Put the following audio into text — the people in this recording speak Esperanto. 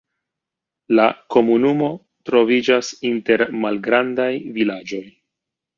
La komunumo troviĝas inter malgrandaj vilaĝoj.